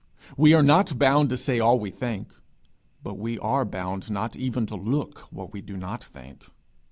We are not bound to say all we think, but we are bound not even to look what we do not think.